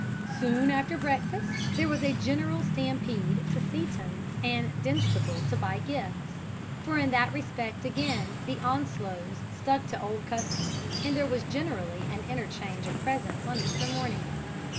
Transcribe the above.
Soon after breakfast there was a general stampede to Seeton and Dinstable to buy gifts; for in that respect again the Onslows stuck to old customs, and there was a general interchange of presents on Easter morning.